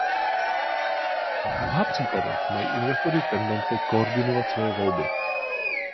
V mnoha případech mají investoři tendence koordinovat svoje volby.